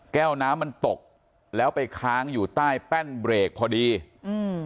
แก้วน้ำมันตกแล้วไปค้างอยู่ใต้แป้นเบรกพอดีอืม